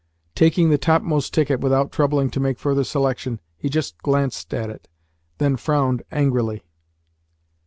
Taking the topmost ticket without troubling to make further selection, he just glanced at it, and then frowned angrily.